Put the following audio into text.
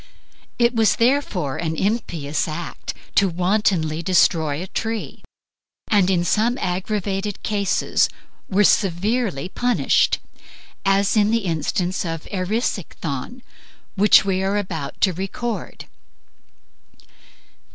It was therefore an impious act wantonly to destroy a tree, and in some aggravated cases were severely punished, as in the instance of Erisichthon, which we are about to record.